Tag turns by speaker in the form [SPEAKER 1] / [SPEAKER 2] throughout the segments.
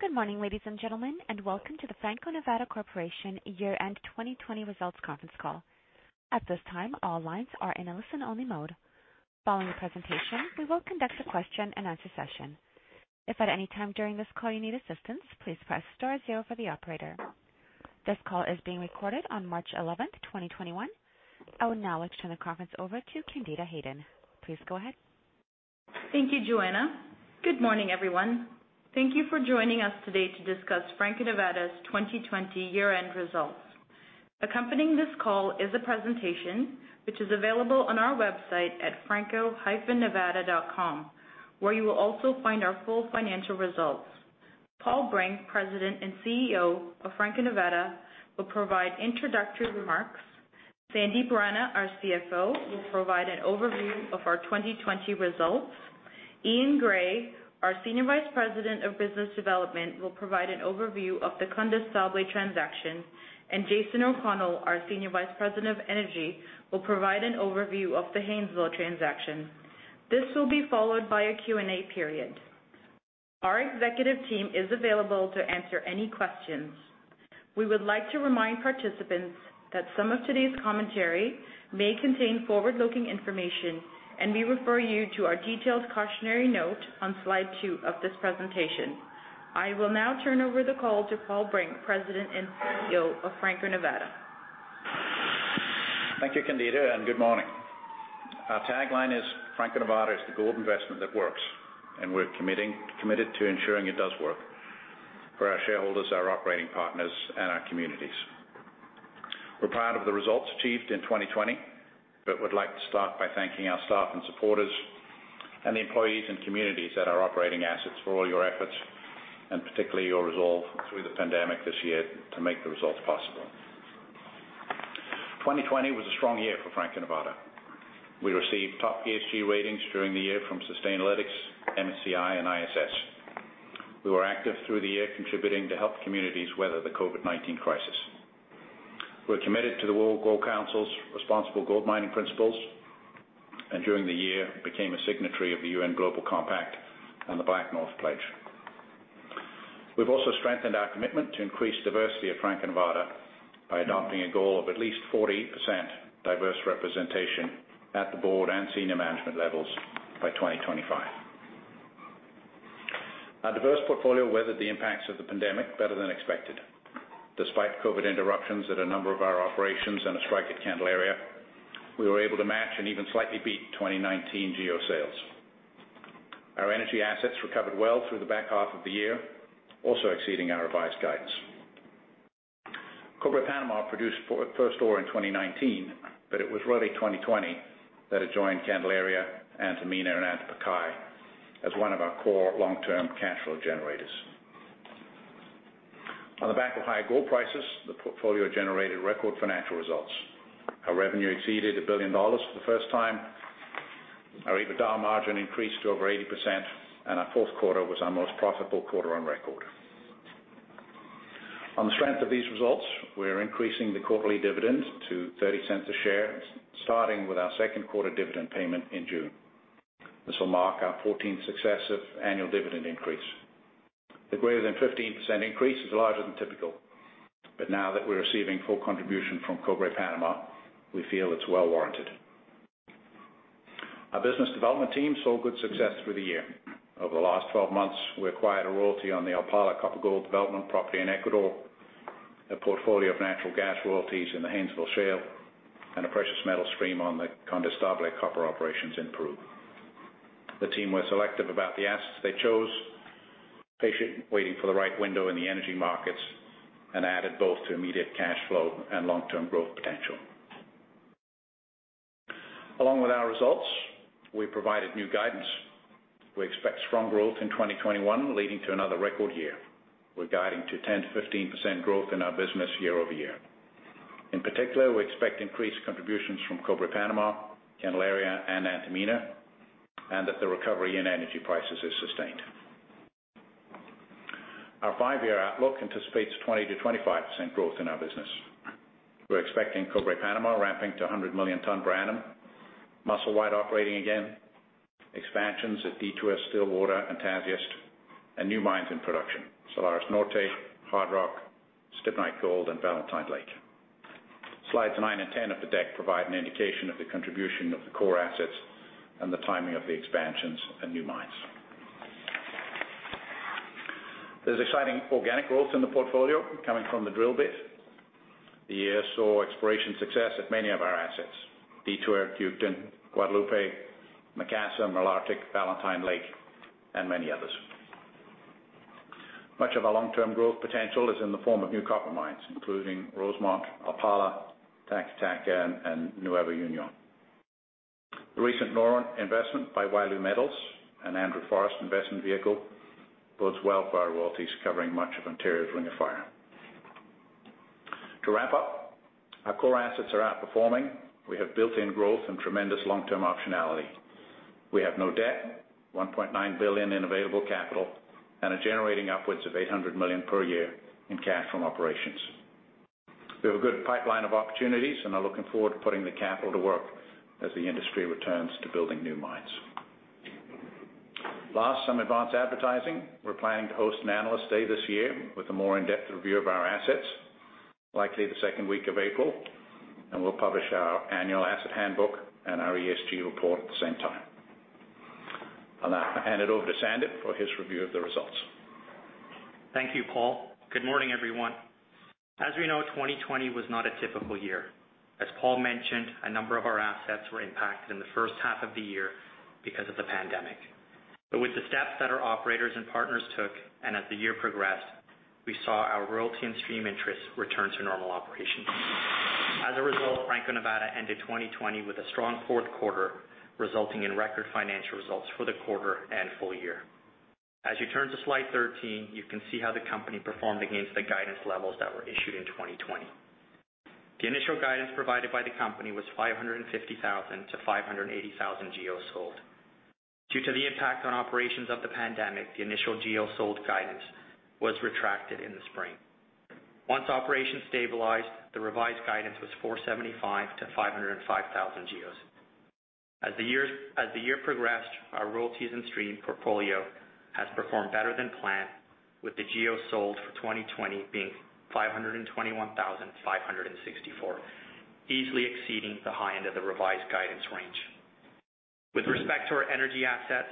[SPEAKER 1] Good morning, ladies and gentlemen, and welcome to the Franco-Nevada Corporation year-end 2020 results conference call. This call is being recorded on March 11th, 2021. I would now like to turn the conference over to Candida Hayden. Please go ahead.
[SPEAKER 2] Thank you, Joanna. Good morning, everyone. Thank you for joining us today to discuss Franco-Nevada's 2020 year-end results. Accompanying this call is a presentation which is available on our website at franco-nevada.com, where you will also find our full financial results. Paul Brink, President and CEO of Franco-Nevada, will provide introductory remarks. Sandip Rana, our CFO, will provide an overview of our 2020 results. Eaun Gray, our Senior Vice President of Business Development, will provide an overview of the Condestable transaction, and Jason O'Connell, our Senior Vice President of Energy, will provide an overview of the Haynesville transaction. This will be followed by a Q&A period. Our executive team is available to answer any questions. We would like to remind participants that some of today's commentary may contain forward-looking information, and we refer you to our detailed cautionary note on slide two of this presentation. I will now turn over the call to Paul Brink, President and CEO of Franco-Nevada.
[SPEAKER 3] Thank you, Candida. Good morning. Our tagline is, "Franco-Nevada is the gold investment that works," and we're committed to ensuring it does work for our shareholders, our operating partners, and our communities. We're proud of the results achieved in 2020, but would like to start by thanking our staff and supporters and the employees and communities at our operating assets for all your efforts, and particularly your resolve through the pandemic this year to make the results possible. 2020 was a strong year for Franco-Nevada. We received top ESG ratings during the year from Sustainalytics, MSCI, and ISS. We were active through the year contributing to help communities weather the COVID-19 crisis. We're committed to the World Gold Council's responsible gold mining principles, and during the year became a signatory of the UN Global Compact on the BlackNorth Pledge. We've also strengthened our commitment to increase diversity at Franco-Nevada by adopting a goal of at least 40% diverse representation at the Board and senior management levels by 2025. Our diverse portfolio weathered the impacts of the pandemic better than expected. Despite COVID interruptions at a number of our operations and a strike at Candelaria, we were able to match and even slightly beat 2019 GEO sales. Our energy assets recovered well through the back half of the year, also exceeding our revised guidance. Cobre Panama produced first ore in 2019, it was really 2020 that adjoined Candelaria, Antamina, and Antapaccay as one of our core long-term cash flow generators. On the back of high gold prices, the portfolio generated record financial results. Our revenue exceeded $1 billion for the first time. Our EBITDA margin increased to over 80%, and our fourth quarter was our most profitable quarter on record. On the strength of these results, we are increasing the quarterly dividend to $0.30 a share, starting with our second quarter dividend payment in June. This will mark our 14th successive annual dividend increase. The greater than 15% increase is larger than typical, but now that we're receiving full contribution from Cobre Panama, we feel it's well warranted. Our business development team saw good success through the year. Over the last 12 months, we acquired a royalty on the Alpala copper gold development property in Ecuador, a portfolio of natural gas royalties in the Haynesville Shale, and a precious metal stream on the Condestable copper operations in Peru. The team was selective about the assets they chose, patient waiting for the right window in the energy markets, and added both to immediate cash flow and long-term growth potential. Along with our results, we provided new guidance. We expect strong growth in 2021, leading to another record year. We're guiding to 10%-15% growth in our business year-over-year. In particular, we expect increased contributions from Cobre Panama, Candelaria, and Antamina, and that the recovery in energy prices is sustained. Our five-year outlook anticipates 20%-25% growth in our business. We're expecting Cobre Panama ramping to 100 million ton per annum, Musselwhite operating again, expansions at Detour, Stillwater, and Tasiast, and new mines in production, Salares Norte, Hardrock, Stibnite Gold, and Valentine Lake. Slides nine and 10 of the deck provide an indication of the contribution of the core assets and the timing of the expansions and new mines. There's exciting organic growth in the portfolio coming from the drill bit. The year saw exploration success at many of our assets, Detour, Duketon, Guadalupe, Macassa, Malartic, Valentine Lake, and many others. Much of our long-term growth potential is in the form of new copper mines, including Rosemont, Alpala, Taca Taca, and NuevaUnión. The recent Noront investment by Wyloo Metals, an Andrew Forrest investment vehicle, bodes well for our royalties covering much of Ontario's Ring of Fire. To wrap up, our core assets are outperforming. We have built-in growth and tremendous long-term optionality. We have on debt, $1.9 billion in available capital, and are generating upwards of $800 million per year in cash from operations. We have a good pipeline of opportunities and are looking forward to putting the capital to work as the industry returns to building new mines. Last, some advance advertising. We're planning to host an Analyst Day this year with a more in-depth review of our assets, likely the second week of April, and we'll publish our annual asset handbook and our ESG report at the same time. I'll now hand it over to Sandip for his review of the results.
[SPEAKER 4] Thank you, Paul. Good morning, everyone. As we know, 2020 was not a typical year. As Paul mentioned, a number of our assets were impacted in the first half of the year because of the pandemic. With the steps that our operators and partners took, and as the year progressed, we saw our royalty and stream interests return to normal operations. As a result, Franco-Nevada ended 2020 with a strong fourth quarter, resulting in record financial results for the quarter and full year. As you turn to slide 13, you can see how the company performed against the guidance levels that were issued in 2020. The initial guidance provided by the company was 550,000 to 580,000 GEOs sold. Due to the impact on operations of the pandemic, the initial GEO sold guidance was retracted in the spring. Once operations stabilized, the revised guidance was 475,000 to 505,000 GEOs. As the year progressed, our Royalties and Stream portfolio has performed better than planned, with the GEO sold for 2020 being 521,564, easily exceeding the high-end of the revised guidance range. With respect to our Energy Assets,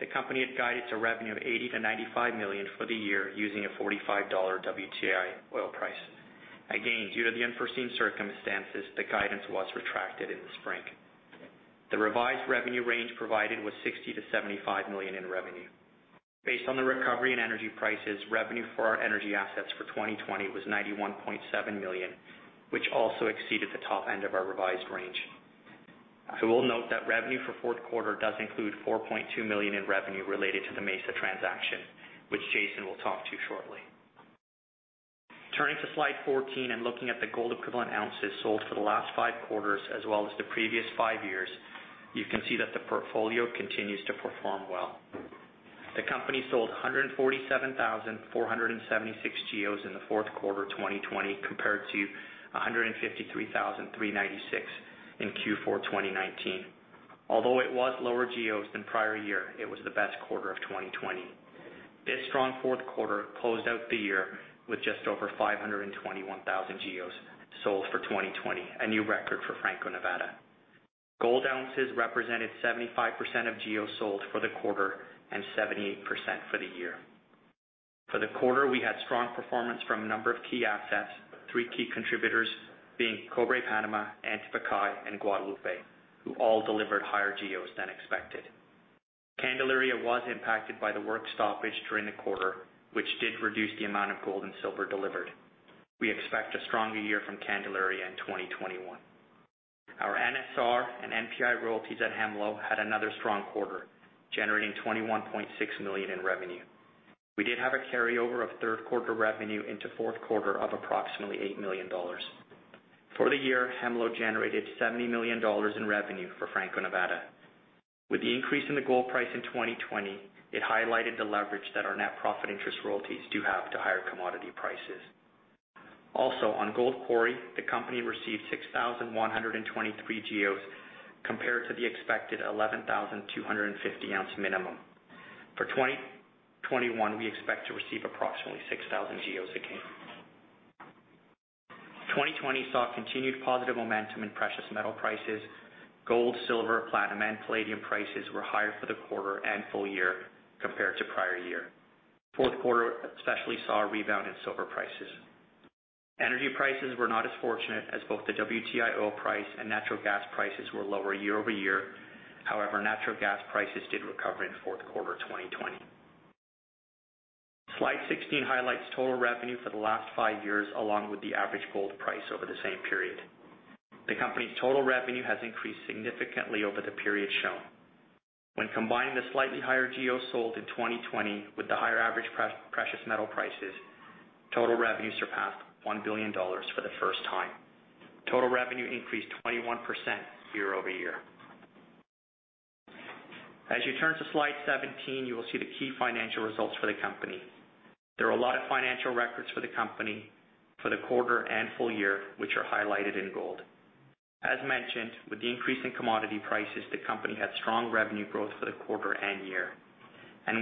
[SPEAKER 4] the company had guided to revenue of $80 million-$95 million for the year, using a $45 WTI oil price. Again, due to the unforeseen circumstances, the guidance was retracted in the spring. The revised revenue range provided was $60 million-$75 million in revenue. Based on the recovery in energy prices, revenue for our Energy Assets for 2020 was $91.7 million, which also exceeded the top end of our revised range. I will note that revenue for fourth quarter does include $4.2 million in revenue related to the Mesa transaction, which Jason will talk to shortly. Turning to slide 14 and looking at the Gold Equivalent Ounces sold for the last five quarters as well as the previous five years, you can see that the portfolio continues to perform well. The company sold 147,476 GEO in the fourth quarter 2020, compared to 153,396 in Q4 2019. Although it was lower GEO than prior year, it was the best quarter of 2020. This strong fourth quarter closed out the year with just over 521,000 GEO sold for 2020, a new record for Franco-Nevada. Gold ounces represented 75% of GEO sold for the quarter and 78% for the year. For the quarter, we had strong performance from a number of key assets, three key contributors being Cobre Panama, Antamina, and Guadalupe, who all delivered higher GEO than expected. Candelaria was impacted by the work stoppage during the quarter, which did reduce the amount of gold and silver delivered. We expect a stronger year from Candelaria in 2021. Our NSR and NPI royalties at Hemlo had another strong quarter, generating $21.6 million in revenue. We did have a carryover of third quarter revenue into fourth quarter of approximately $8 million. For the year, Hemlo generated $70 million in revenue for Franco-Nevada. With the increase in the gold price in 2020, it highlighted the leverage that our net profit interest royalties do have to higher commodity prices. Also, on Gold Quarry, the company received 6,123 GEOs compared to the expected 11,250 oz minimum. For 2021, we expect to receive approximately 6,000 GEOs again. 2020 saw continued positive momentum in Precious Metal prices. Gold, silver, platinum, and palladium prices were higher for the quarter and full year compared to prior year. Fourth quarter especially saw a rebound in silver prices. Energy prices were not as fortunate, as both the WTI oil price and natural gas prices were lower year-over-year. However, natural gas prices did recover in fourth quarter 2020. Slide 16 highlights total revenue for the last five years, along with the average gold price over the same period. The company's total revenue has increased significantly over the period shown. When combining the slightly higher GEO sold in 2020 with the higher average Precious Metal prices, total revenue surpassed $1 billion for the first time. Total revenue increased 21% year-over-year. As you turn to slide 17, you will see the key financial results for the company. There are a lot of financial records for the company for the quarter and full year, which are highlighted in gold. As mentioned, with the increase in commodity prices, the company had strong revenue growth for the quarter and year.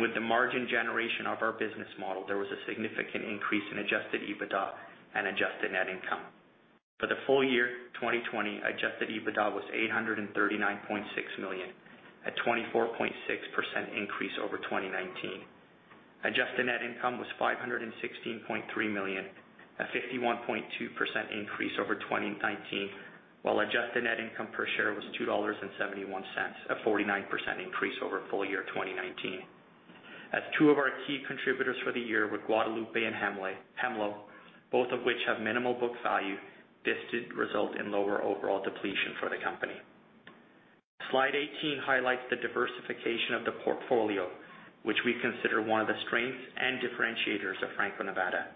[SPEAKER 4] With the margin generation of our business model, there was a significant increase in Adjusted EBITDA and adjusted net income. For the full year 2020, Adjusted EBITDA was $839.6 million, a 24.6% increase over 2019. Adjusted net income was $516.3 million, a 51.2% increase over 2019, while adjusted net income per share was $2.71, a 49% increase over full year 2019. Two of our key contributors for the year were Guadalupe and Hemlo, both of which have minimal book value, this did result in lower overall depletion for the company. Slide 18 highlights the diversification of the portfolio, which we consider one of the strengths and differentiators of Franco-Nevada.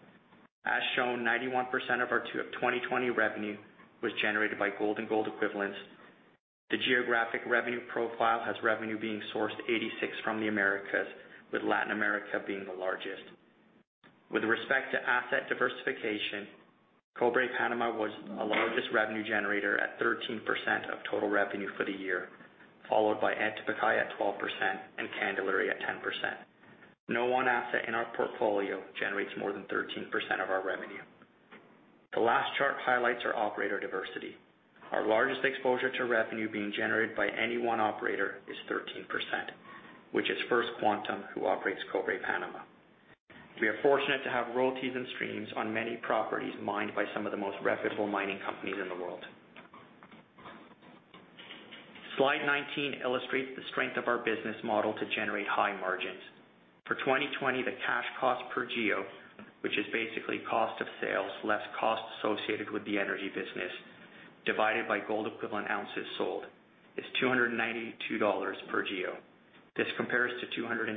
[SPEAKER 4] As shown, 91% of our 2020 revenue was generated by gold and gold equivalents. The geographic revenue profile has revenue being sourced 86% from the Americas, with Latin America being the largest. With respect to asset diversification, Cobre Panama was our largest revenue generator at 13% of total revenue for the year, followed by Antapaccay at 12% and Candelaria at 10%. No one asset in our portfolio generates more than 13% of our revenue. The last chart highlights our operator diversity. Our largest exposure to revenue being generated by any one operator is 13%, which is First Quantum, who operates Cobre Panama. We are fortunate to have Royalties and Streams on many properties mined by some of the most reputable mining companies in the world. Slide 19 illustrates the strength of our business model to generate high margins. For 2020, the cash cost per GEO, which is basically cost of sales, less costs associated with the energy business, divided by gold equivalent ounces sold, is $292 per GEO. This compares to $266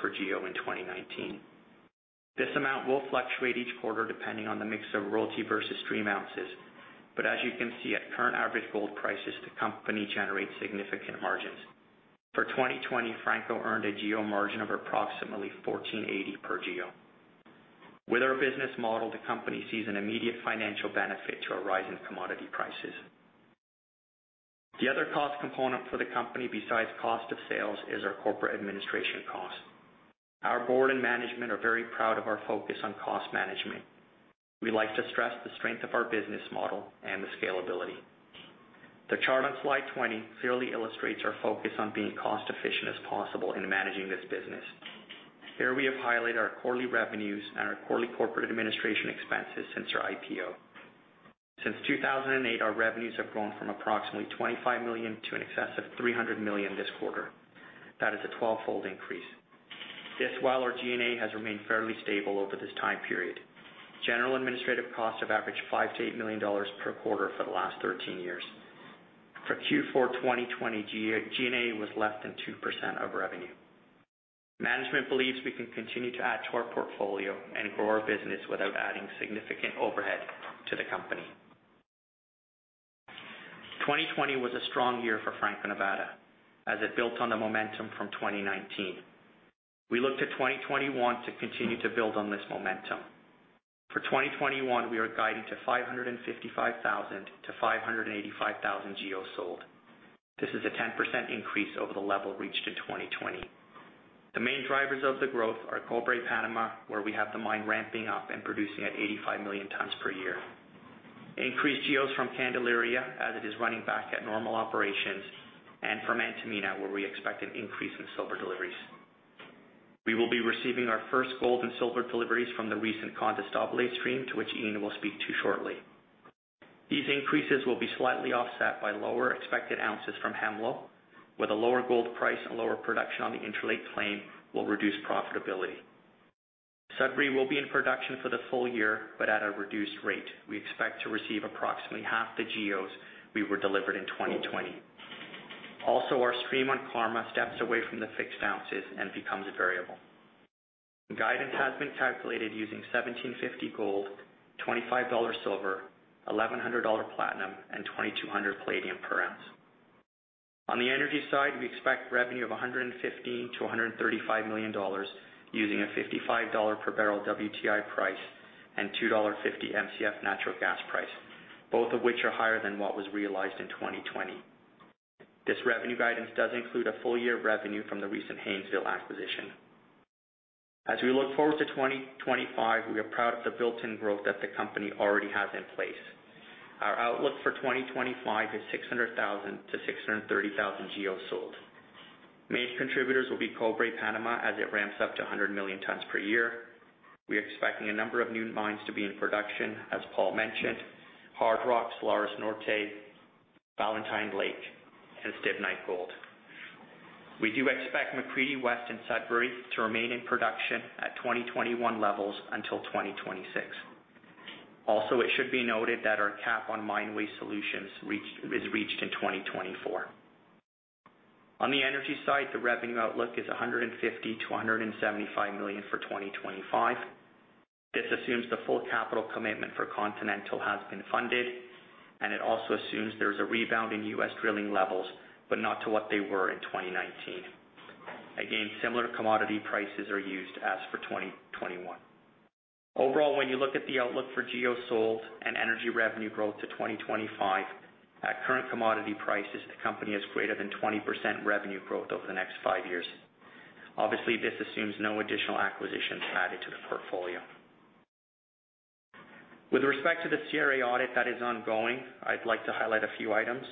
[SPEAKER 4] per GEO in 2019. This amount will fluctuate each quarter depending on the mix of royalty versus stream ounces. As you can see, at current average gold prices, the company generates significant margins. For 2020, Franco earned a GEO margin of approximately $1,480 per GEO. With our business model, the company sees an immediate financial benefit to a rise in commodity prices. The other cost component for the company besides cost of sales is our corporate administration cost. Our Board and management are very proud of our focus on cost management. We like to stress the strength of our business model and the scalability. The chart on slide 20 clearly illustrates our focus on being cost efficient as possible in managing this business. Here, we have highlighted our quarterly revenues and our quarterly corporate administration expenses since our IPO. Since 2008, our revenues have grown from approximately $25 million to in excess of $300 million this quarter. That is a twelvefold increase. This, while our G&A has remained fairly stable over this time period. General Administrative costs have averaged $5 million-$8 million per quarter for the last 13 years. For Q4 2020, G&A was less than 2% of revenue. Management believes we can continue to add to our portfolio and grow our business without adding significant overhead to the company. 2020 was a strong year for Franco-Nevada, as it built on the momentum from 2019. We look to 2021 to continue to build on this momentum. For 2021, we are guided to 555,000-585,000 GEOs sold. This is a 10% increase over the level reached in 2020. The main drivers of the growth are Cobre Panama, where we have the mine ramping up and producing at 85 million tons per year. Increased GEOs from Candelaria, as it is running back at normal operations, and from Antamina, where we expect an increase in silver deliveries. We will be receiving our first gold and silver deliveries from the recent Condestable stream, to which Eaun will speak to shortly. These increases will be slightly offset by lower expected ounces from Hemlo, where the lower gold price and lower production on the Interlake chain will reduce profitability. Sudbury will be in production for the full year, at a reduced rate. We expect to receive approximately 1/2 the GEOs we were delivered in 2020. Also our Stream on Karma steps away from the fixed ounces and becomes a variable. Guidance has been calculated using $1,750 gold, $25 silver, $1,100 platinum, and $2,200 palladium per ounce. On the Energy side, we expect revenue of $115 million-$135 million using a $55 per bbl WTI price and $2.50 Mcf natural gas price, both of which are higher than what was realized in 2020. This revenue guidance does include a full year of revenue from the recent Haynesville acquisition. As we look forward to 2025, we are proud of the built-in growth that the company already has in place. Our outlook for 2025 is 600,000 GEOs to 630,000 GEOs sold. Main contributors will be Cobre Panama as it ramps up to 100 million tons per year. We're expecting a number of new mines to be in production, as Paul mentioned, Hardrock, Salares Norte, Valentine Lake, and Stibnite Gold. We do expect McCreedy West and Sudbury to remain in production at 2021 levels until 2026. Also, it should be noted that our cap on Mine Waste Solutions is reached in 2024. On the Energy side, the revenue outlook is $150 million-$175 million for 2025. This assumes the full capital commitment for Continental has been funded, and it also assumes there's a rebound in U.S. drilling levels, but not to what they were in 2019. Again, similar commodity prices are used as for 2021. Overall, when you look at the outlook for GEO sold and energy revenue growth to 2025, at current commodity prices, the company has greater than 20% revenue growth over the next five years. Obviously, this assumes no additional acquisitions added to the portfolio. With respect to the CRA audit that is ongoing, I'd like to highlight a few items.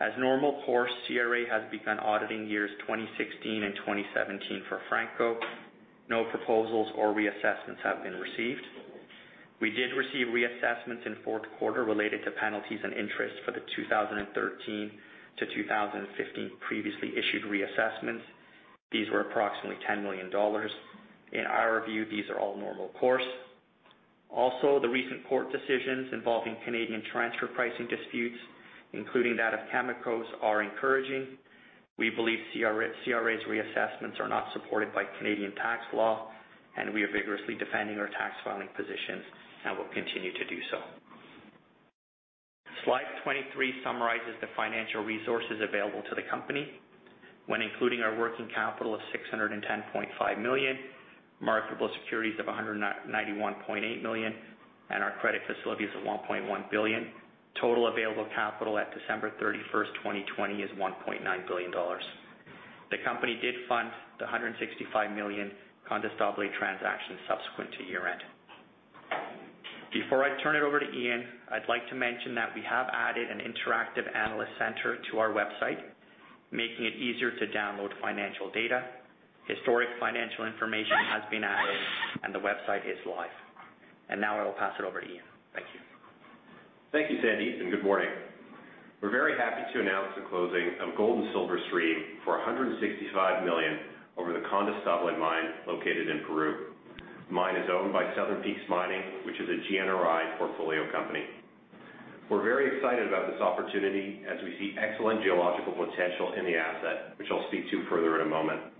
[SPEAKER 4] As normal course, CRA has begun auditing years 2016 and 2017 for Franco. No proposals or reassessments have been received. We did receive reassessments in fourth quarter related to penalties and interest for the 2013 to 2015 previously issued reassessments. These were approximately $10 million. In our view, these are all normal course. The recent court decisions involving Canadian transfer pricing disputes, including that of Cameco's, are encouraging. We believe CRA's reassessments are not supported by Canadian tax law, and we are vigorously defending our tax filing positions and will continue to do so. Slide 23 summarizes the financial resources available to the company when including our working capital of $610.5 million, marketable securities of $191.8 million, and our credit facilities of $1.1 billion. Total available capital at December 31, 2020 is $1.9 billion. The company did fund the $165 million Condestable transaction subsequent to year-end. Before I turn it over to Eaun, I'd like to mention that we have added an interactive analyst center to our website, making it easier to download financial data. Historic financial information has been added and the website is live. Now I will pass it over to Eaun. Thank you.
[SPEAKER 5] Thank you, Sandip. Good morning. We're very happy to announce the closing of gold and silver stream for $165 million over the Condestable Mine located in Peru. Mine is owned by Southern Peaks Mining, which is a GNRI portfolio company. We're very excited about this opportunity as we see excellent geological potential in the asset, which I'll speak to further in a moment.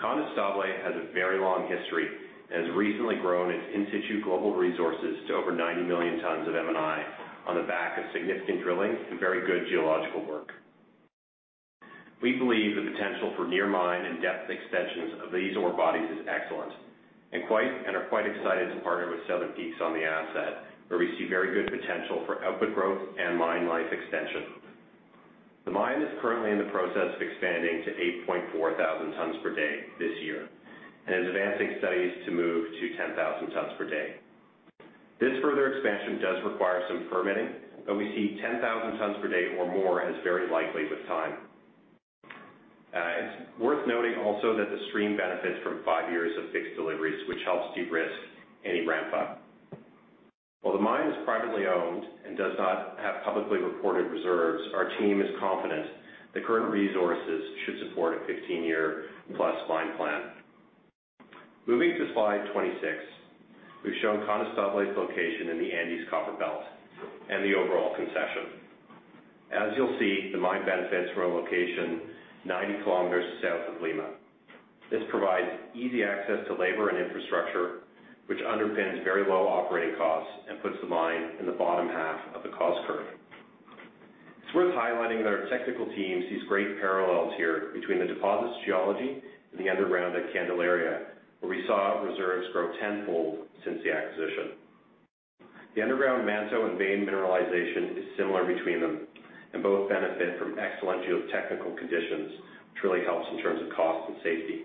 [SPEAKER 5] Condestable has a very long history and has recently grown its in-situ global resources to over 90 million tons of M&I on the back of significant drilling and very good geological work. We believe the potential for near mine and depth extensions of these ore bodies is excellent and are quite excited to partner with Southern Peaks on the asset, where we see very good potential for output growth and mine life extension. The mine is currently in the process of expanding to 8,400 tons per day this year and is advancing studies to move to 10,000 tons per day. This further expansion does require some permitting, but we see 10,000 tons per day or more as very likely with time. It's worth noting also that the stream benefits from five years of fixed deliveries, which helps de-risk any ramp-up. While the mine is privately owned and does not have publicly reported reserves, our team is confident the current resources should support a 15-year plus mine plan. Moving to slide 26, we've shown Condestable's location in the Andes Copper Belt and the overall concession. As you'll see, the mine benefits from a location 90 km south of Lima. This provides easy access to labor and infrastructure, which underpins very low operating costs and puts the mine in the bottom half of the cost curve. It's worth highlighting that our technical team sees great parallels here between the deposit's geology and the underground at Candelaria, where we saw reserves grow tenfold since the acquisition. The underground manto and vein mineralization is similar between them, and both benefit from excellent geotechnical conditions, which really helps in terms of cost and safety.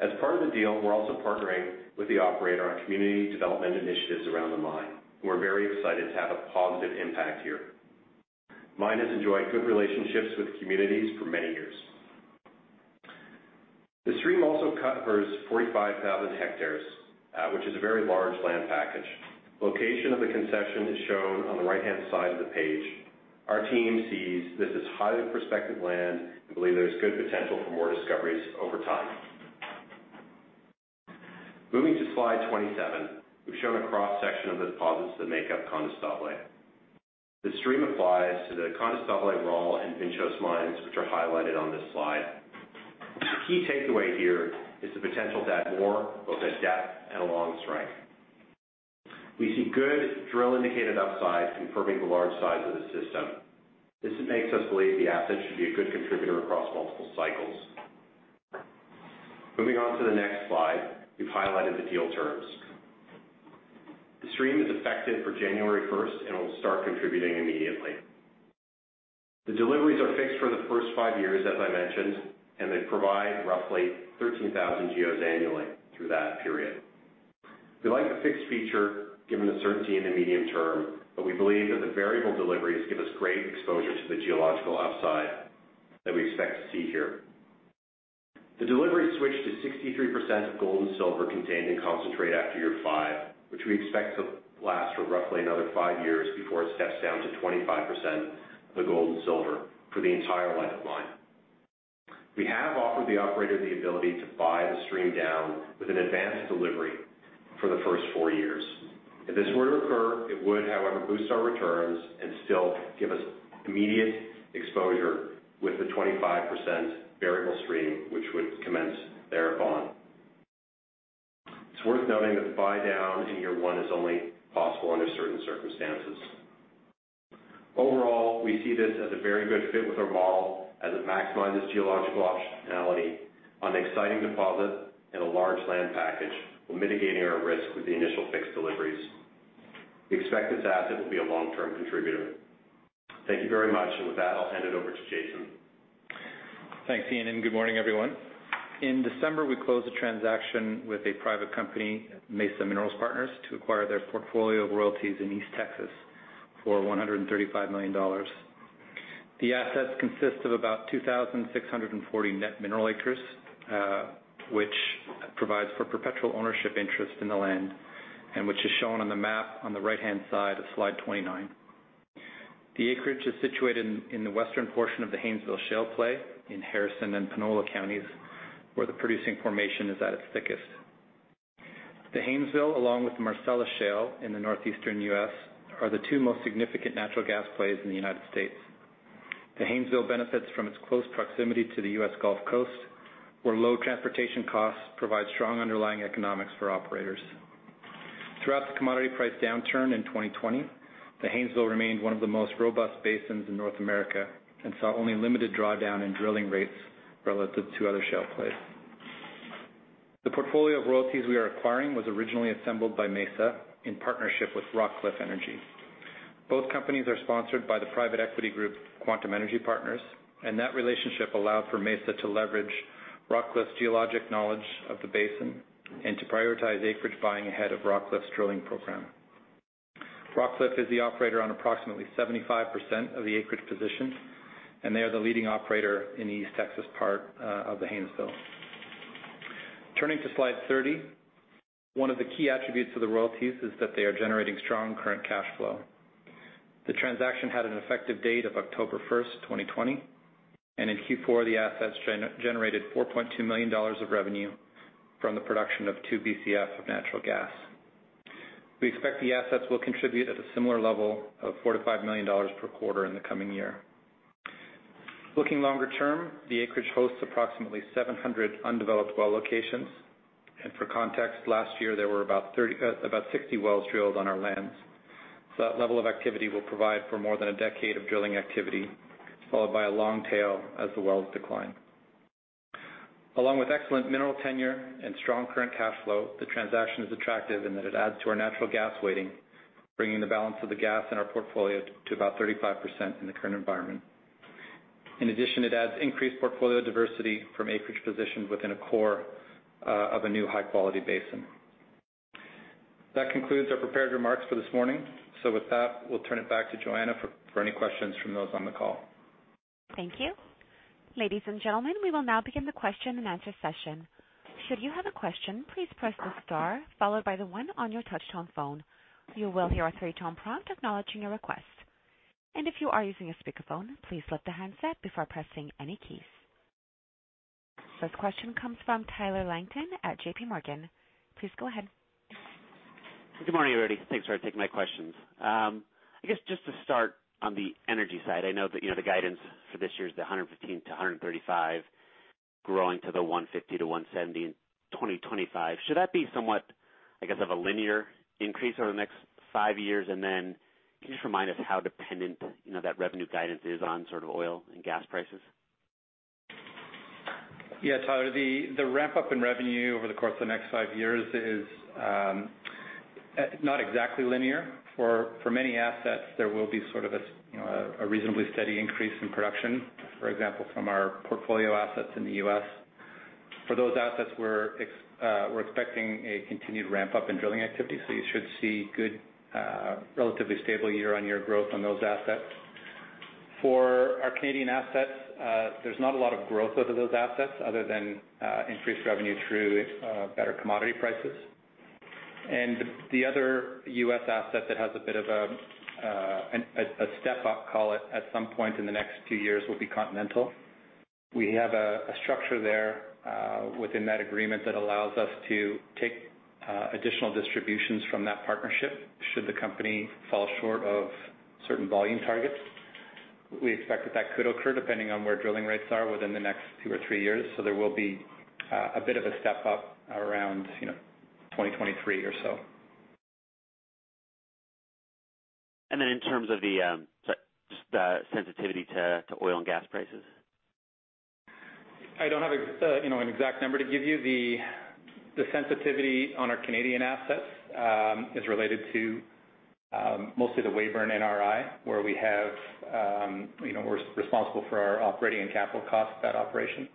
[SPEAKER 5] As part of the deal, we're also partnering with the operator on community development initiatives around the mine. We're very excited to have a positive impact here. Mine has enjoyed good relationships with communities for many years. The stream also covers 45,000 hectares, which is a very large land package. Location of the concession is shown on the right-hand side of the page. Our team sees this as highly prospective land and believe there's good potential for more discoveries over time. Moving to slide 27, we've shown a cross-section of the deposits that make up Condestable. The stream applies to the Condestable role, and [Vinchos mines], which are highlighted on this slide. The key takeaway here is the potential to add more, both at depth and along the strike. We see good drill-indicated upside confirming the large size of the system. This makes us believe the asset should be a good contributor across multiple cycles. Moving on to the next slide, we've highlighted the deal terms. The stream is effective for January 1st and will start contributing immediately. The deliveries are fixed for the first five years, as I mentioned, and they provide roughly 13,000 GEOs annually through that period. We like the fixed feature given the certainty in the medium-term, but we believe that the variable deliveries give us great exposure to the geological upside that we expect to see here. The deliveries switch to 63% of gold and silver contained in concentrate after year five, which we expect to last for roughly another five years before it steps down to 25% of the gold and silver for the entire life of mine. We have offered the operator the ability to buy the stream down with an advanced delivery for the first four years. If this were to occur, it would, however, boost our returns and still give us immediate exposure with the 25% variable stream, which would commence thereupon. It's worth noting that the buy down in year one is only possible under certain circumstances. Overall, we see this as a very good fit with our model as it maximizes geological optionality on an exciting deposit and a large land package while mitigating our risk with the initial fixed deliveries. We expect this asset will be a long-term contributor. Thank you very much, and with that, I'll hand it over to Jason.
[SPEAKER 6] Thanks, Eaun, good morning, everyone. In December, we closed a transaction with a private company, Mesa Minerals Partners, to acquire their portfolio of royalties in East Texas for $135 million. The assets consist of about 2,640 net mineral acres, which provides for perpetual ownership interest in the land and which is shown on the map on the right-hand side of slide 29. The acreage is situated in the western portion of the Haynesville Shale Play in Harrison and Panola counties, where the producing formation is at its thickest. The Haynesville, along with the Marcellus Shale in the northeastern U.S., are the two most significant natural gas plays in the United States. The Haynesville benefits from its close proximity to the U.S. Gulf Coast, where low transportation costs provide strong underlying economics for operators. Throughout the commodity price downturn in 2020, the Haynesville remained one of the most robust basins in North America and saw only limited drawdown in drilling rates relative to other shale plays. The portfolio of royalties we are acquiring was originally assembled by Mesa in partnership with Rockcliff Energy. That relationship allowed for Mesa to leverage Rockcliff's geologic knowledge of the basin and to prioritize acreage buying ahead of Rockcliff's drilling program. Rockcliff is the operator on approximately 75% of the acreage position, and they are the leading operator in the East Texas part of the Haynesville. Turning to slide 30, one of the key attributes of the royalties is that they are generating strong current cash flow. The transaction had an effective date of October 1st, 2020, and in Q4, the assets generated $4.2 million of revenue from the production of 2 Bcf of natural gas. We expect the assets will contribute at a similar level of $4 million-$5 million per quarter in the coming year. Looking longer term, the acreage hosts approximately 700 undeveloped well locations, and for context, last year there were about 60 wells drilled on our lands. That level of activity will provide for more than a decade of drilling activity, followed by a long tail as the wells decline. Along with excellent mineral tenure and strong current cash flow, the transaction is attractive in that it adds to our natural gas weighting, bringing the balance of the gas in our portfolio to about 35% in the current environment. In addition, it adds increased portfolio diversity from acreage positions within a core of a new high-quality basin. That concludes our prepared remarks for this morning. With that, we'll turn it back to Joanna for any questions from those on the call.
[SPEAKER 1] Thank you. Ladies and gentlemen, we will now begin the question and answer session. Should you have a question, please press the star followed by the one on your touch-tone phone. You will hear a three-tone prompt acknowledging your request. If you are using a speakerphone, please lift the handset before pressing any keys. First question comes from Tyler Langton at JPMorgan. Please go ahead.
[SPEAKER 7] Good morning, everybody. Thanks for taking my questions. I guess just to start on the energy side, I know that the guidance for this year is the $115 million-$135 million growing to the $150 million-$170 million in 2025. Should that be somewhat of a linear increase over the next five years? Then can you just remind us how dependent that revenue guidance is on oil and gas prices?
[SPEAKER 6] Yeah, Tyler, the ramp-up in revenue over the course of the next five years is not exactly linear. For many assets, there will be a reasonably steady increase in production. For example, from our portfolio assets in the U.S., for those assets, we're expecting a continued ramp-up in drilling activity. You should see good, relatively stable year-on-year growth on those assets. For our Canadian assets, there's not a lot of growth out of those assets other than increased revenue through better commodity prices. The other U.S. asset that has a bit of a step up, call it, at some point in the next two years will be Continental. We have a structure there within that agreement that allows us to take additional distributions from that partnership should the company fall short of certain volume targets. We expect that that could occur depending on where drilling rates are within the next two or three years. There will be a bit of a step up around 2023 or so.
[SPEAKER 7] In terms of the sensitivity to oil and gas prices?
[SPEAKER 6] I don't have an exact number to give you. The sensitivity on our Canadian assets is related to mostly the Weyburn NRI, where we're responsible for our operating and capital costs of that operation.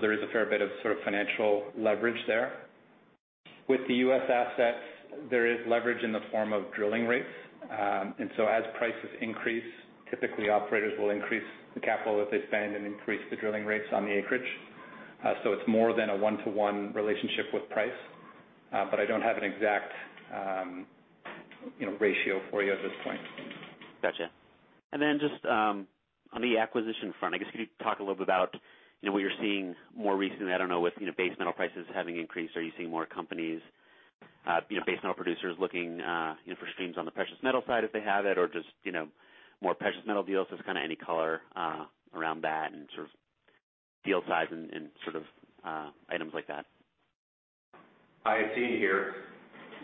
[SPEAKER 6] There is a fair bit of financial leverage there. With the U.S. assets, there is leverage in the form of drilling rates. As prices increase, typically operators will increase the capital that they spend and increase the drilling rates on the acreage. It's more than a one-to-one relationship with price. I don't have an exact ratio for you at this point.
[SPEAKER 7] Got you. Just on the acquisition front, I guess could you talk a little bit about what you're seeing more recently? I don't know, with base metal prices having increased, are you seeing more companies, base metal producers looking for streams on the precious metal side, if they have it? Or just more precious metal deals? Just any color around that and deal size and items like that.
[SPEAKER 5] Hi, it's Eaun here.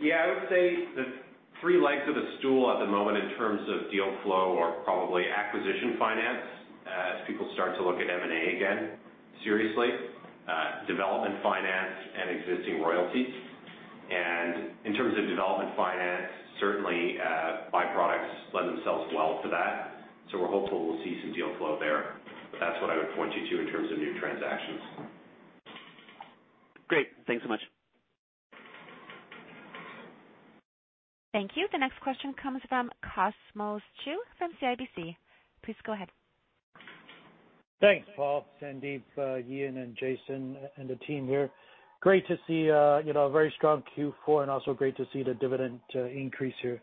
[SPEAKER 5] I would say the three legs of the stool at the moment in terms of deal flow are probably acquisition finance, as people start to look at M&A again seriously, development finance, and existing royalties. In terms of development finance, certainly by-products lend themselves well to that. That's what I would point you to in terms of new transactions.
[SPEAKER 7] Great. Thanks so much.
[SPEAKER 1] Thank you. The next question comes from Cosmos Chiu from CIBC. Please go ahead.
[SPEAKER 8] Thanks, Paul, Sandip, Eaun, and Jason, and the team here. Great to see a very strong Q4 and also great to see the dividend increase here.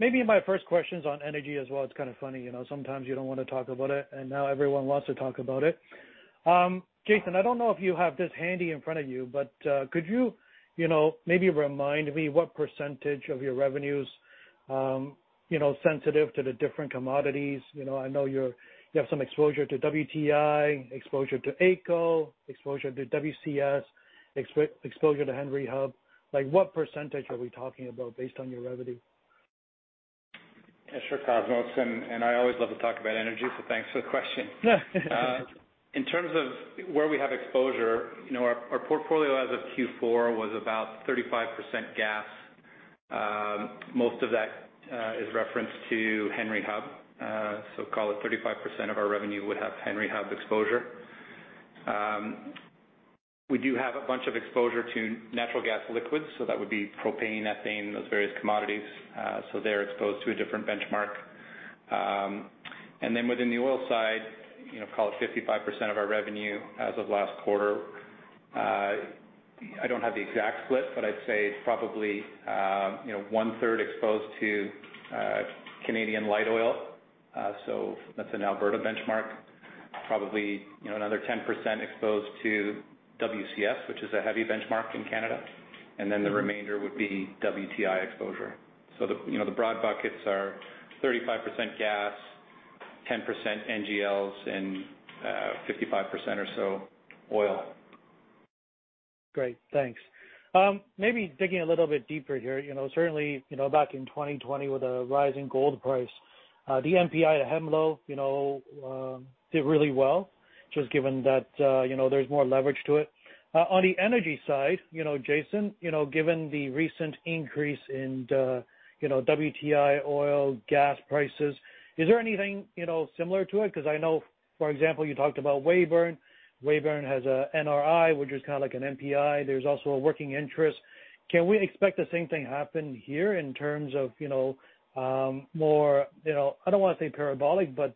[SPEAKER 8] Maybe my first question's on energy as well. It's kind of funny, sometimes you don't want to talk about it, and now everyone wants to talk about it. Jason, I don't know if you have this handy in front of you, but could you maybe remind me what percentage of your revenue's sensitive to the different commodities? I know you have some exposure to WTI, exposure to AECO, exposure to WCS, exposure to Henry Hub. What percentage are we talking about based on your revenue?
[SPEAKER 6] Sure, Cosmos. I always love to talk about energy, thanks for the question. In terms of where we have exposure, our portfolio as of Q4 was about 35% gas. Most of that is referenced to Henry Hub. Call it 35% of our revenue would have Henry Hub exposure. We do have a bunch of exposure to Natural Gas Liquids. That would be propane, ethane, those various commodities. They're exposed to a different benchmark. Within the oil side, call it 55% of our revenue as of last quarter. I don't have the exact split. I'd say it's probably 1/3 exposed to Canadian light oil. That's an Alberta benchmark. Probably another 10% exposed to WCS, which is a heavy benchmark in Canada. The remainder would be WTI exposure. The broad buckets are 35% gas, 10% NGLs, and 55% or so oil.
[SPEAKER 8] Great, thanks. Maybe digging a little bit deeper here. Certainly, back in 2020 with the rising gold price, the NPI at Hemlo did really well, just given that there's more leverage to it. On the energy side, Jason, given the recent increase in WTI oil gas prices, is there anything similar to it? I know, for example, you talked about Weyburn. Weyburn has a NRI, which is kind of like an NPI. There's also a working interest. Can we expect the same thing happen here in terms of more, I don't want to say parabolic, but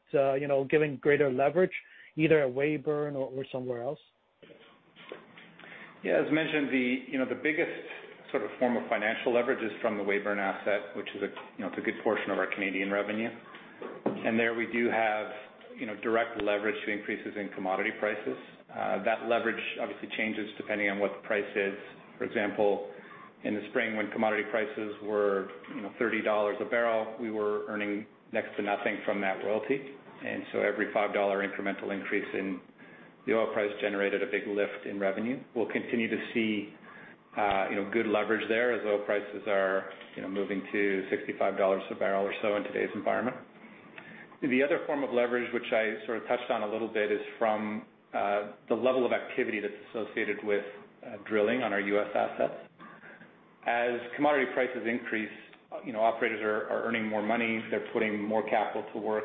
[SPEAKER 8] giving greater leverage either at Weyburn or somewhere else?
[SPEAKER 6] Yeah. As mentioned, the biggest form of financial leverage is from the Weyburn asset, which is a good portion of our Canadian revenue. There we do have direct leverage to increases in commodity prices. That leverage obviously changes depending on what the price is. For example, in the spring when commodity prices were $30 a bbl, we were earning next to nothing from that royalty. Every $5 incremental increase in the oil price generated a big lift in revenue. We'll continue to see good leverage there as oil prices are moving to $65 a bbl or so in today's environment. The other form of leverage, which I sort of touched on a little bit, is from the level of activity that's associated with drilling on our U.S. assets. As commodity prices increase, operators are earning more money. They're putting more capital to work,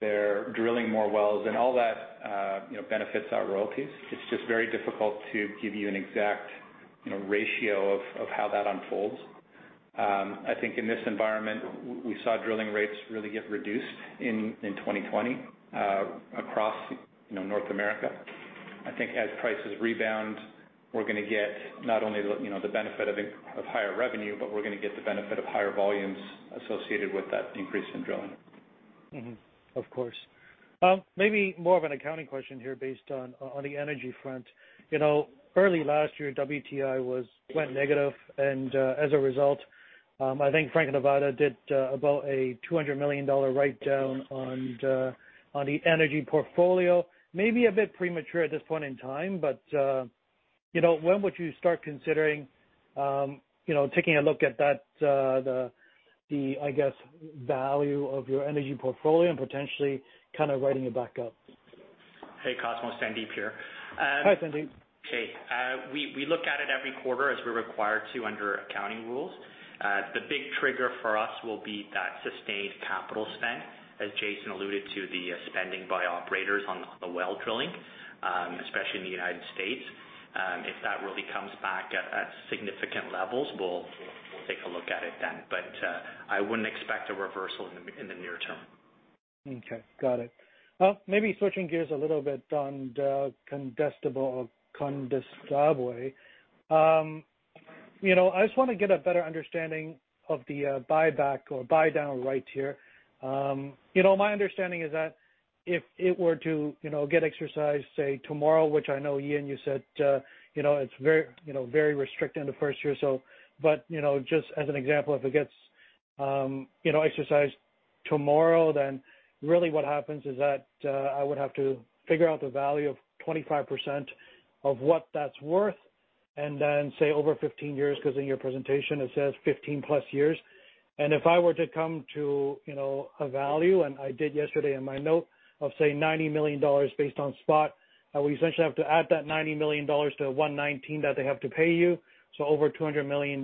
[SPEAKER 6] they're drilling more wells, and all that benefits our royalties. It's just very difficult to give you an exact ratio of how that unfolds. I think in this environment, we saw drilling rates really get reduced in 2020 across North America. I think as prices rebound, we're going to get not only the benefit of higher revenue, but we're going to get the benefit of higher volumes associated with that increase in drilling.
[SPEAKER 8] Of course. Maybe more of an accounting question here based on the energy front. Early last year, WTI went negative. As a result, I think Franco-Nevada did about a $200 million write-down on the energy portfolio. Maybe a bit premature at this point in time. When would you start considering taking a look at that, I guess, value of your energy portfolio and potentially kind of writing it back up?
[SPEAKER 4] Hey, Cosmos. Sandip here.
[SPEAKER 8] Hi, Sandip.
[SPEAKER 4] Hey. We look at it every quarter as we're required to under accounting rules. The big trigger for us will be that sustained capital spend, as Jason alluded to, the spending by operators on the well drilling, especially in the United States. If that really comes back at significant levels, we'll take a look at it then. I wouldn't expect a reversal in the near-term.
[SPEAKER 8] Okay, got it. Maybe switching gears a little bit on the Condestable. I just want to get a better understanding of the buyback or buy down rights here. My understanding is that if it were to get exercised, say, tomorrow, which I know, Eaun, you said it's very restricted in the first year or so, but just as an example, if it gets exercised tomorrow, really what happens is that I would have to figure out the value of 25% of what that's worth, and then, say, over 15 years, because in your presentation it says 15+ years. If I were to come to a value, and I did yesterday in my note, of, say, $90 million based on spot, we essentially have to add that $90 million to the $119 million that they have to pay you. Over $200 million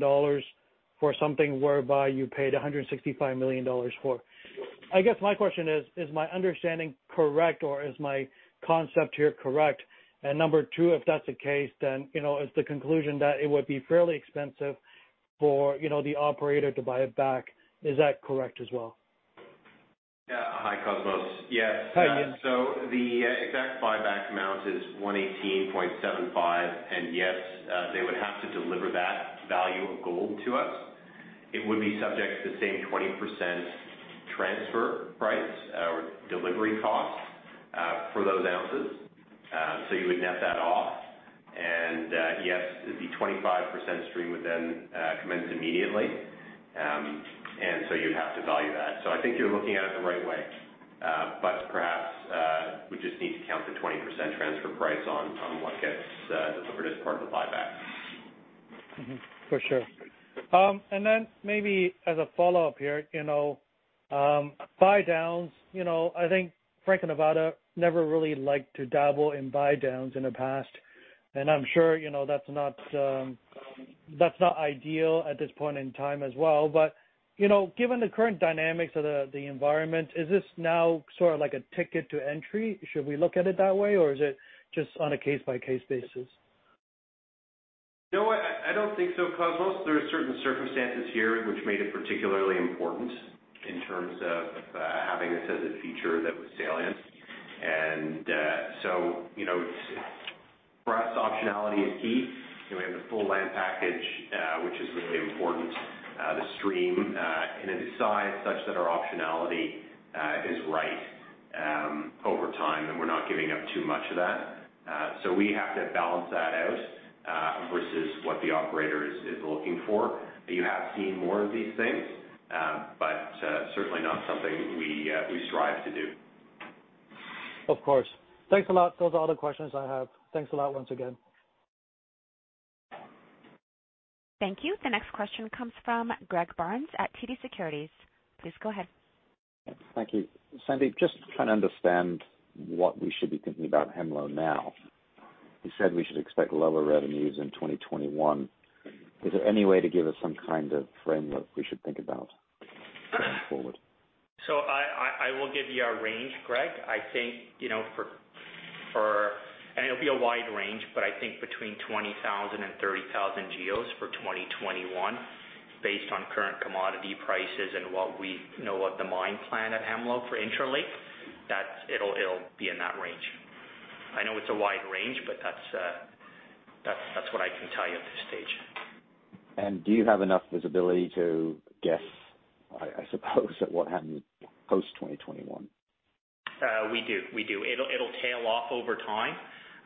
[SPEAKER 8] for something whereby you paid $165 million for. I guess my question is my understanding correct, or is my concept here correct? Number two, if that's the case, then is the conclusion that it would be fairly expensive for the operator to buy it back? Is that correct as well?
[SPEAKER 5] Hi, Cosmos. Yes.
[SPEAKER 8] Hi.
[SPEAKER 5] The exact buyback amount is $118.75 million, and yes, they would have to deliver that value of gold to us. It would be subject to the same 20% transfer price or delivery cost for those ounces. You would net that off and, yes, the 25% stream would then commence immediately. You'd have to value that. I think you're looking at it the right way. Perhaps, we just need to count the 20% transfer price on what gets delivered as part of the buyback.
[SPEAKER 8] For sure. Maybe as a follow-up here, buy-downs, I think Franco-Nevada never really liked to dabble in buy-downs in the past. I'm sure that's not ideal at this point in time as well. Given the current dynamics of the environment, is this now sort of like a ticket to entry? Should we look at it that way, or is it just on a case-by-case basis?
[SPEAKER 5] You know what. I don't think so, Cosmos. There are certain circumstances here which made it particularly important in terms of having this as a feature that was salient. For us, optionality is key. We have the full land package, which is really important, the stream, and then the size such that our optionality is right over time, and we're not giving up too much of that. We have to balance that out, versus what the operator is looking for. You have seen more of these things, but, certainly not something we strive to do.
[SPEAKER 8] Of course. Thanks a lot. Those are all the questions I have. Thanks a lot once again.
[SPEAKER 1] Thank you. The next question comes from Greg Barnes at TD Securities. Please go ahead.
[SPEAKER 9] Thank you. Sandip, just trying to understand what we should be thinking about Hemlo now. You said we should expect lower revenues in 2021. Is there any way to give us some kind of framework we should think about going forward?
[SPEAKER 4] I will give you a range, Greg. I think, and it'll be a wide range, but I think between 20,000 and 30,000 GEOs for 2021, based on current commodity prices and what we know of the mine plan at Hemlo for Interlake, that it'll be in that range. I know it's a wide range, but that's what I can tell you at this stage.
[SPEAKER 9] Do you have enough visibility to guess, I suppose, at what happens post 2021?
[SPEAKER 4] We do. It'll tail off over time.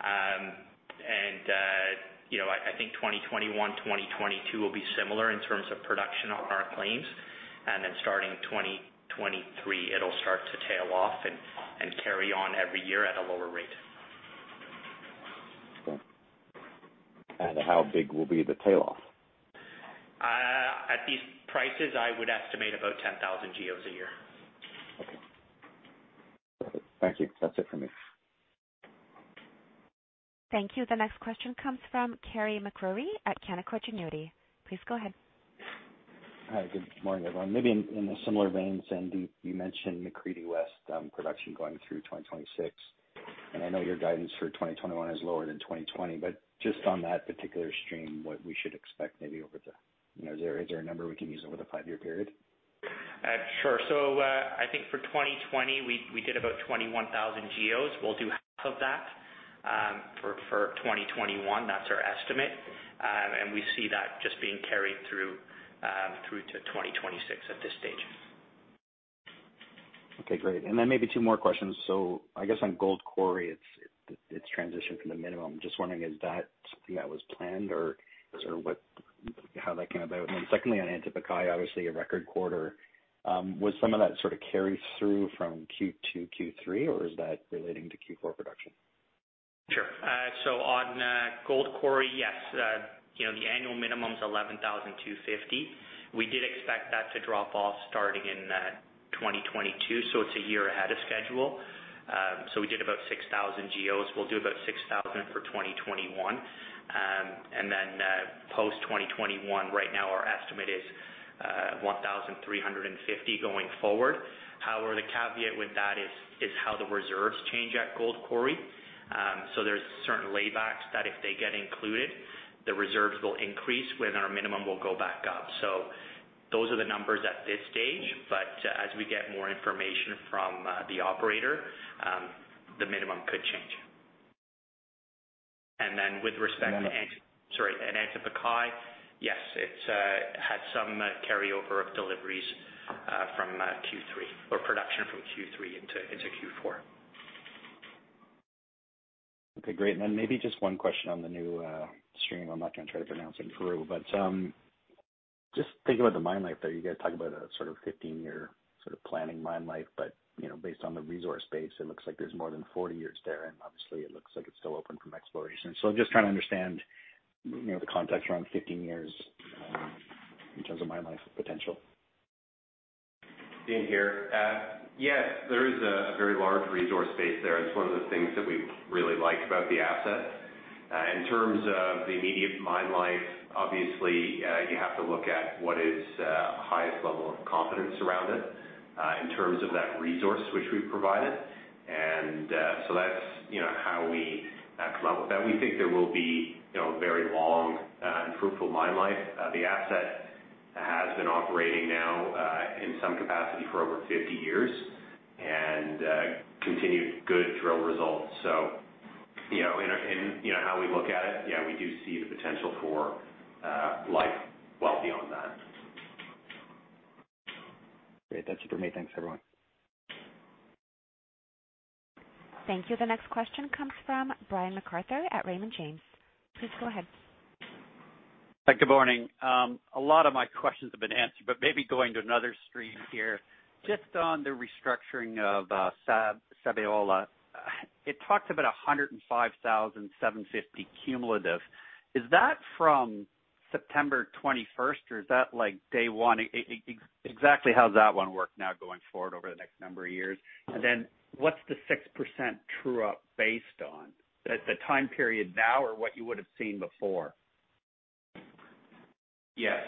[SPEAKER 4] I think 2021, 2022 will be similar in terms of production on our claims, and then starting 2023, it'll start to tail off and carry on every year at a lower rate.
[SPEAKER 9] Okay. How big will be the tail off?
[SPEAKER 4] At these prices, I would estimate about 10,000 GEOs a year.
[SPEAKER 9] Okay. Perfect. Thank you. That's it for me.
[SPEAKER 1] Thank you. The next question comes from Carey MacRury at Canaccord Genuity. Please go ahead.
[SPEAKER 10] Hi, good morning, everyone. Maybe in a similar vein, Sandip, you mentioned McCreedy West production going through 2026. I know your guidance for 2021 is lower than 2020, but just on that particular stream, is there a number we can use over the five-year period?
[SPEAKER 4] Sure. I think for 2020, we did about 21,000 GEOs. We'll do 1/2 of that for 2021. That's our estimate. We see that just being carried through to 2026 at this stage.
[SPEAKER 10] Okay, great. Maybe two more questions. I guess on Gold Quarry, it's transitioned to the minimum. Just wondering, is that something that was planned or sort of how that came about? Secondly, on Antapaccay, obviously a record quarter. Was some of that sort of carry through from Q2, Q3, or is that relating to Q4 production?
[SPEAKER 4] Sure. On Gold Quarry, yes. The annual minimum's 11,250. We did expect that to drop off starting in 2022, so it's a year ahead of schedule. We did about 6,000 GEOs. We'll do about 6,000 for 2021. Post 2021, right now our estimate is 1,350 going forward. However, the caveat with that is how the reserves change at Gold Quarry. There's certain laybacks that if they get included, the reserves will increase when our minimum will go back up. Those are the numbers at this stage, but as we get more information from the operator, the minimum could change. With respect to.
[SPEAKER 10] And then-
[SPEAKER 4] Sorry, Antapaccay, yes, it had some carryover of deliveries from Q3 or production from Q3 into Q4.
[SPEAKER 10] Okay, great. Maybe just one question on the new stream. I'm not going to try to pronounce it in Peru, just thinking about the mine life there, you guys talk about a sort of 15-year sort of planning mine life, based on the resource base, it looks like there's more than 40 years there, obviously it looks like it's still open from exploration. I'm just trying to understand the context around 15 years, in terms of mine life potential.
[SPEAKER 5] Eaun here. Yes, there is a very large resource base there. It's one of the things that we really like about the asset. In terms of the immediate mine life, obviously, you have to look at what is the highest level of confidence around it, in terms of that resource which we've provided. That's how we come up with that. We think there will be a very long and fruitful mine life. The asset has been operating now in some capacity for over 50 years and continued good drill results. In how we look at it, yeah, we do see the potential for life well beyond that.
[SPEAKER 10] Great. That's it for me. Thanks, everyone.
[SPEAKER 1] Thank you. The next question comes from Brian MacArthur at Raymond James. Please go ahead.
[SPEAKER 11] Good morning. A lot of my questions have been answered, but maybe going to another stream here. Just on the restructuring of Sabodala, it talked about 105,750 cumulative. Is that from September 21st, or is that like day one? Exactly how does that one work now going forward over the next number of years? What's the 6% true up based on? The time period now or what you would have seen before?
[SPEAKER 5] Yes.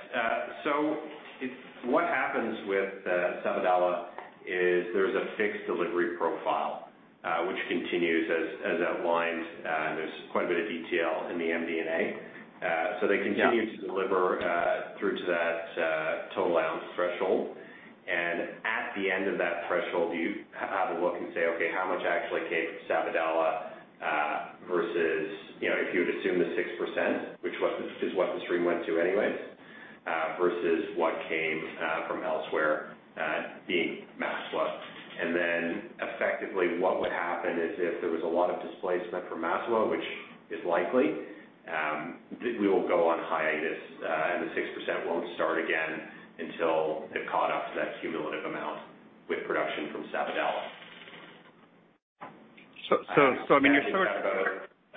[SPEAKER 5] What happens with Sabodala is there's a fixed delivery profile, which continues as outlined, and there's quite a bit of detail in the MD&A.
[SPEAKER 11] Yeah.
[SPEAKER 5] So they continue to deliver through to that total ounce threshold. At the end of that threshold, you have a look and say, "Okay, how much actually came from Sabodala?" Versus if you would assume the 6%, which is what the stream went to anyway, versus what came from elsewhere, being Massawa. Effectively what would happen is if there was a lot of displacement from Massawa, which is likely, we will go on hiatus, and the 6% won't start again until they've caught up to that cumulative amount with production from Sabodala.
[SPEAKER 11] So, I mean, you sort of-
[SPEAKER 5] I can talk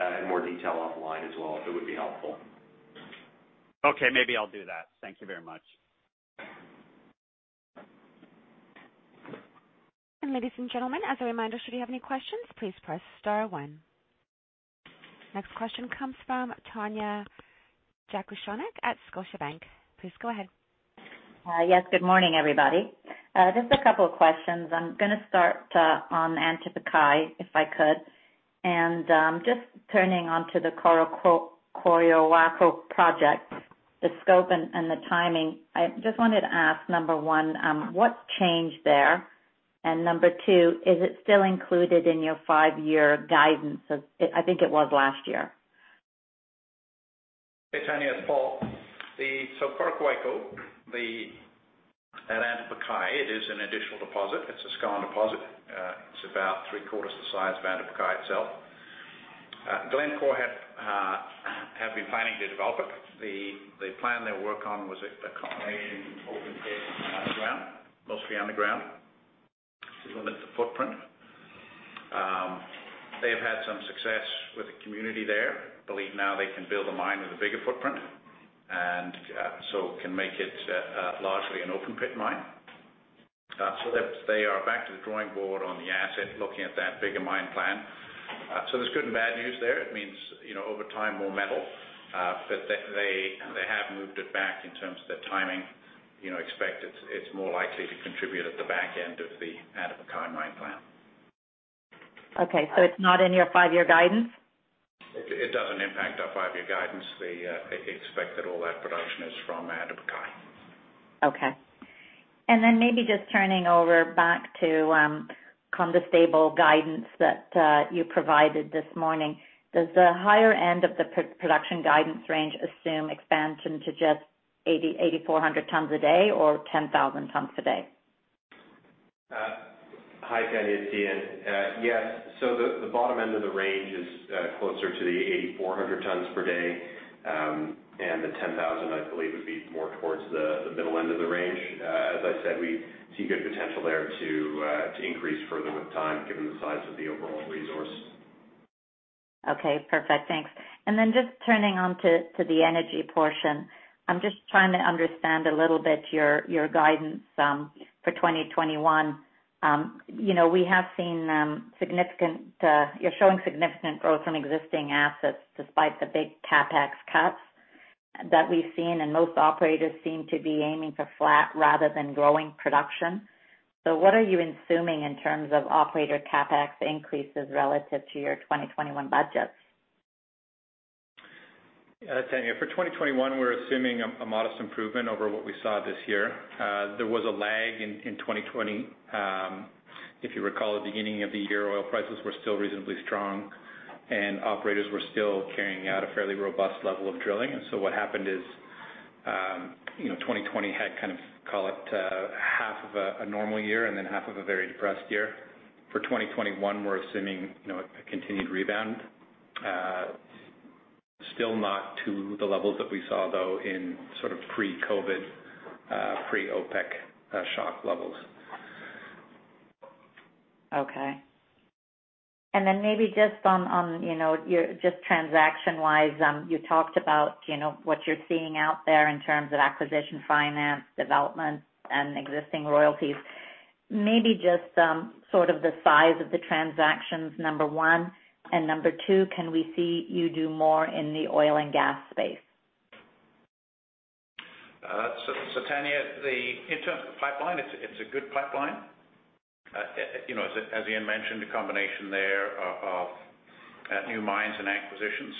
[SPEAKER 5] about it in more detail offline as well, if it would be helpful.
[SPEAKER 11] Okay, maybe I'll do that. Thank you very much.
[SPEAKER 1] Ladies and gentlemen, as a reminder, should you have any questions, please press star one. Next question comes from Tanya Jakusconek at Scotiabank. Please go ahead.
[SPEAKER 12] Yes, good morning, everybody. Just a couple of questions. I'm going to start on Antapaccay, if I could. Just turning onto the Coroccohuayco project, the scope and the timing, I just wanted to ask, number one, what changed there? Number two, is it still included in your five-year guidance as I think it was last year?
[SPEAKER 3] Hey, Tanya. It's Paul. Coroccohuayco at Antapaccay, it is an additional deposit. It's a skarn deposit. It's about three-quarters the size of Antapaccay itself. Glencore have been planning to develop it. The plan they work on was a combination open pit and underground, mostly underground, to limit the footprint. They've had some success with the community there. Believe now they can build a mine with a bigger footprint, can make it largely an open pit mine. They are back to the drawing board on the asset, looking at that bigger mine plan. There's good and bad news there. It means over time, more metal. They have moved it back in terms of the timing. Expect it's more likely to contribute at the back end of the Antapaccay mine plan.
[SPEAKER 12] Okay. It's not in your five-year guidance?
[SPEAKER 3] It doesn't impact our five-year guidance. They expect that all that production is from Antapaccay.
[SPEAKER 12] Okay. Maybe just turning over back to Condestable guidance that you provided this morning. Does the higher end of the production guidance range assume expansion to just 8,400 tons a day or 10,000 tons a day?
[SPEAKER 5] Hi, Tanya. It's Eaun. Yes. The bottom end of the range is closer to the 8,400 tons per day. The 10,000, I believe, would be more towards the middle end of the range. As I said, we see good potential there to increase further with time, given the size of the overall resource.
[SPEAKER 12] Okay, perfect. Thanks. Then just turning on to the energy portion. I'm just trying to understand a little bit your guidance for 2021. You're showing significant growth from existing assets despite the big CapEx cuts that we've seen. Most operators seem to be aiming for flat rather than growing production. What are you assuming in terms of operator CapEx increases relative to your 2021 budgets?
[SPEAKER 6] Tanya, for 2021, we're assuming a modest improvement over what we saw this year. There was a lag in 2020. If you recall, at the beginning of the year, oil prices were still reasonably strong, and operators were still carrying out a fairly robust level of drilling. What happened is 2020 had kind of, call it, 1/2 of a normal year and then 1/2 of a very depressed year. For 2021, we're assuming a continued rebound. Still not to the levels that we saw, though, in sort of pre-COVID-19, pre-OPEC shock levels.
[SPEAKER 12] Okay. Maybe just transaction-wise, you talked about what you're seeing out there in terms of acquisition finance, development, and existing royalties. Maybe just sort of the size of the transactions, number one, and number two, can we see you do more in the oil and gas space?
[SPEAKER 3] Tanya, in terms of the pipeline, it's a good pipeline. As Eaun mentioned, a combination there of new mines and acquisitions.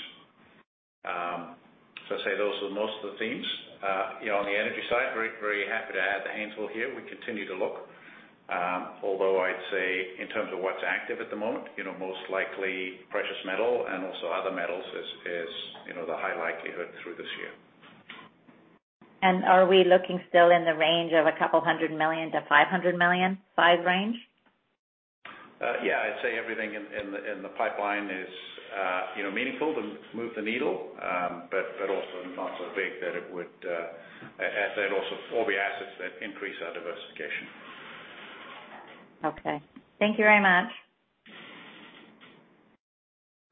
[SPEAKER 3] I'd say those are most of the themes. On the energy side, very happy to add the Haynesville here. We continue to look. Although I'd say in terms of what's active at the moment, most likely precious metal and also other metals is the high likelihood through this year.
[SPEAKER 12] Are we looking still in the range of $200 million-$500 million size range?
[SPEAKER 3] Yeah. I'd say everything in the pipeline is meaningful to move the needle. Also not so big that all the assets that increase our diversification.
[SPEAKER 12] Okay. Thank you very much.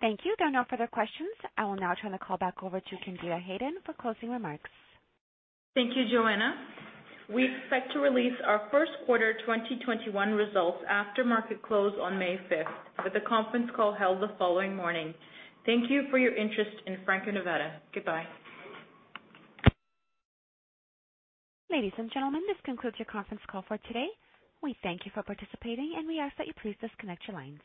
[SPEAKER 1] Thank you. There are no further questions. I will now turn the call back over to Candida Hayden for closing remarks.
[SPEAKER 2] Thank you, Joanna. We expect to release our first quarter 2021 results after market close on May 5th, with a conference call held the following morning. Thank you for your interest in Franco-Nevada. Goodbye.
[SPEAKER 1] Ladies and gentlemen, this concludes your conference call for today. We thank you for participating. We ask that you please disconnect your lines.